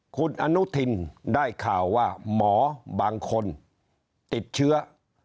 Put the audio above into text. คุณอนุทินได้ข่าวว่าหมอบางคนติดเชื้อ